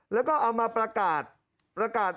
แล้วก็เอามาประกาศ